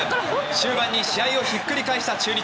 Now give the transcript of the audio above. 終盤に試合をひっくり返した中日。